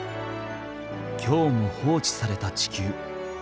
今日も放置された地球。